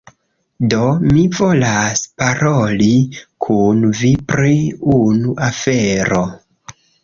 Do, mi volas paroli kun vi pri unu afero